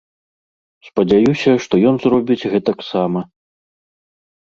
Спадзяюся, што ён зробіць гэтак сама.